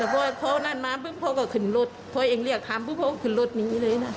แต่พ่อเข้านั่นมาเพิ่งเขาก็ขึ้นรถเพื่อเอ็งเรียกทำเพราะเขาก็ขึ้นรถแบบนี้เลยค่ะ